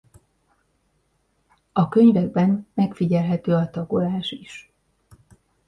A könyvekben megfigyelhető a tagolás is.